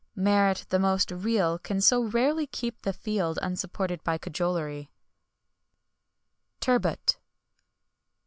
Merit the most real can so rarely keep the field unsupported by cajollery. TURBOT.